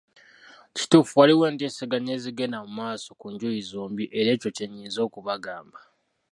Kituufu waliwo enteeseganya ezigenda mu maaso ku njuyi zombi era ekyo kyennyinza okubagamba.